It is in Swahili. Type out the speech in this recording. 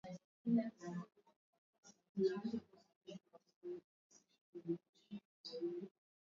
Mohamed Lebatt katika mkutano wa pamoja na waandishi wa habari mjini Khartoum akiwa na mwakilishi maalum wa umoja wa Mataifa